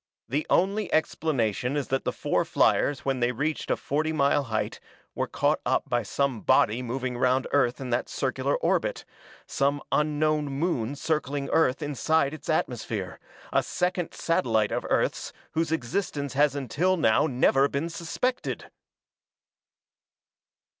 The only explanation is that the four fliers when they reached a forty mile height were caught up by some body moving round Earth in that circular orbit, some unknown moon circling Earth inside its atmosphere, a second satellite of Earth's whose existence has until now never been suspected!"